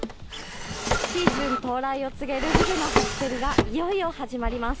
シーズン到来を告げるフグの初競りがいよいよ始まります。